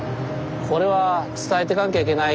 これは伝えてかなきゃいけない。